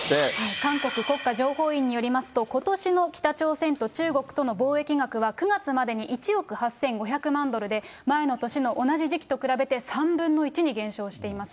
韓国国家情報院によりますと、ことしの北朝鮮と中国との貿易額は９月までで１億８５００万ドルで前の年の同じ時期と比べて３分の１に減少しています。